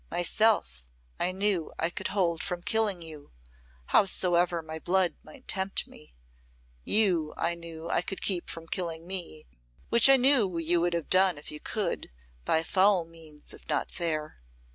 Myself, I knew, I could hold from killing you, howsoever my blood might tempt me. You, I knew, I could keep from killing me, which I knew you would have done if you could, by foul means if not fair.